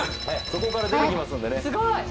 そこから出てきますのでねすごい！